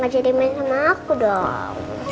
gak jadi main sama aku dong